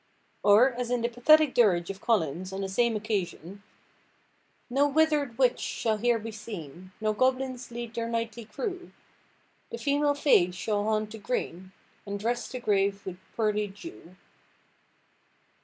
Or, as in the pathetic dirge of Collins on the same occasion:— "No wither'd witch shall here be seen, No goblins lead their nightly crew; The female fays shall haunt the green, And dress the grave with pearly dew."